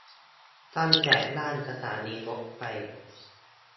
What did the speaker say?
ตั้งแต่ย่านสถานีรถไฟ